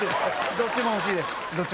どっちも欲しいです。